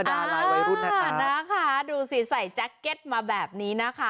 ดูสิใส่แจ็คเก็ตมาแบบนี้นะคะ